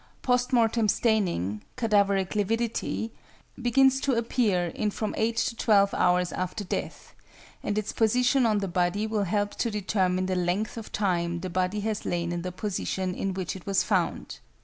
Post mortem staining (cadaveric lividity) begins to appear in from eight to twelve hours after death, and its position on the body will help to determine the length of time the body has lain in the position in which it was found.